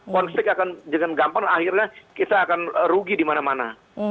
konflik akan jalan gampang akhirnya kita akan rugi dimana mana